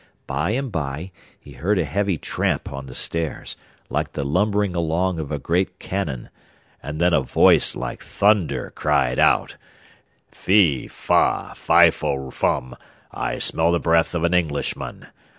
By and by he heard a heavy tramp on the stairs, like the lumbering along of a great cannon, and then a voice like thunder cried out; 'Fe, fa, fi fo fum, I smell the breath of an Englishman.